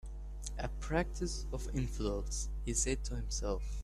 "A practice of infidels," he said to himself.